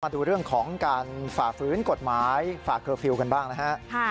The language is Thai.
ดูเรื่องของการฝ่าฝืนกฎหมายฝ่าเคอร์ฟิลล์กันบ้างนะฮะ